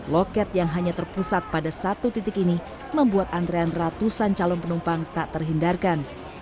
loket yang hanya terpusat pada satu titik ini membuat antrean ratusan calon penumpang tak terhindarkan